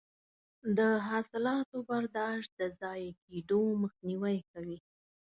د حاصلاتو برداشت د ضایع کیدو مخنیوی کوي.